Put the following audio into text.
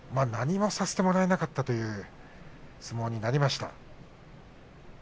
何もさせてもらえなかったという相撲になりました。